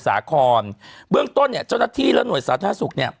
สาครเบื้องต้นเนี่ยเจ้าหน้าที่และหน่วยสาธารณสุขเนี่ย